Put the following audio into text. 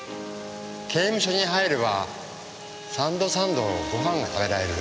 刑務所に入れば三度三度ご飯が食べられる。